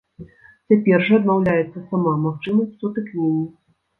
Цяпер жа адмаўляецца сама магчымасць сутыкнення.